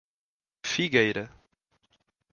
Figueira